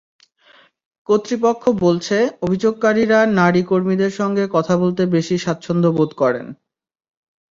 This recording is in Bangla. কর্তৃপক্ষ বলছে, অভিযোগকারীরা নারী কর্মীদের সঙ্গে কথা বলতে বেশি স্বাচ্ছন্দ্য বোধ করেন।